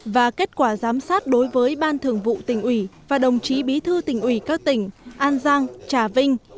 và kết quả giám sát đối với ban thường vụ tỉnh ủy và đồng chí bí thư tỉnh ủy các tỉnh an giang trà vinh